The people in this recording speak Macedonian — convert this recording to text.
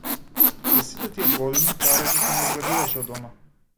За сите тие години, таа речиси не излегуваше од дома.